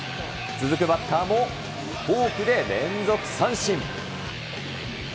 続くバッターも、フォークで連続三振。